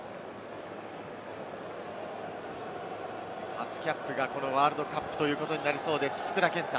初キャップがワールドカップということになりそうです、福田健太。